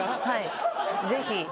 はいぜひ。